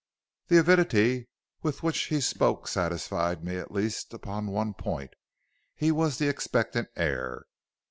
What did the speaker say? "'The avidity with which he spoke satisfied me at least upon one point he was the expectant heir.